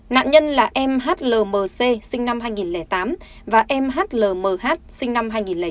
nạn nhân là mhlmc sinh năm hai nghìn tám và mhlmh sinh năm hai nghìn chín